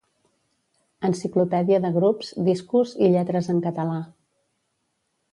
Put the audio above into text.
Enciclopèdia de grups, discos i lletres en català.